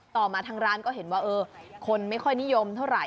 มาทางร้านก็เห็นว่าคนไม่ค่อยนิยมเท่าไห